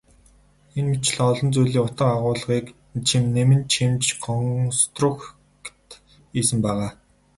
Энэ мэтчилэн олон зүйлийн утга агуулгыг нэмэн чимж консрукт хийсэн байгаа.